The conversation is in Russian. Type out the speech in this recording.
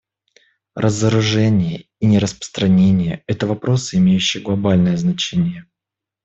Разоружение и нераспространение — это вопросы, имеющие глобальное значение.